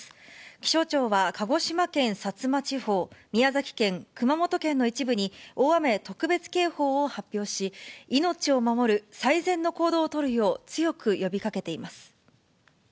気象庁は、鹿児島県薩摩地方、宮崎県、熊本県の一部に、大雨特別警報を発表し、命を守る最善の行動を取るよう強く呼びかけています。